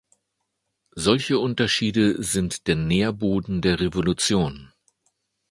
Solche Unterschiede sind der Nährboden der Revolution.